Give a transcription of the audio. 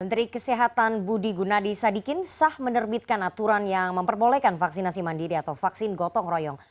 menteri kesehatan budi gunadi sadikin sah menerbitkan aturan yang memperbolehkan vaksinasi mandiri atau vaksin gotong royong